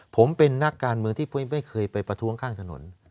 ผมเป็นนักการเมืองที่ไม่เคยไปประท้วงข้างถนน